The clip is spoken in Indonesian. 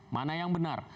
mana yang benar